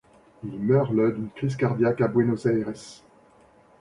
Il meurt le d'une crise cardiaque à Buenos Aires.